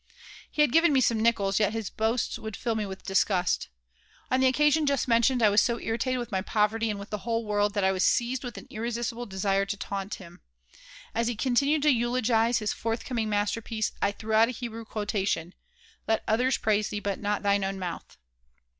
He had given me some nickels, yet his boasts would fill me with disgust. On the occasion just mentioned I was so irritated with my poverty and with the whole world that I was seized with an irresistible desire to taunt him. As he continued to eulogize his forthcoming masterpiece I threw out a Hebrew quotation: "Let others praise thee, but not thine own mouth."